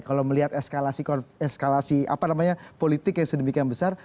kalau melihat eskalasi politik yang sedemikian besar